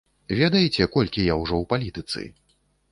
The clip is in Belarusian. Ведаеце, колькі я ўжо ў палітыцы?!